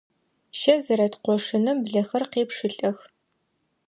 Щэ зэрыт къошыным блэхэр къепшылӀэх.